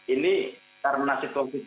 ini karbonasi kondisi pembunuh ini tentu